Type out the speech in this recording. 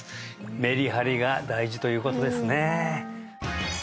メリハリが大事ということですね